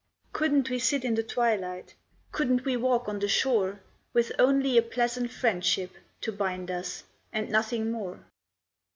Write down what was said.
Couldn't we sit in the twilight, Couldn't we walk on the shore With only a pleasant friendship To bind us, and nothing more?